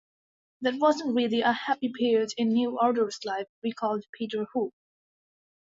"That wasn't really a happy period in New Order's life," recalled Peter Hook.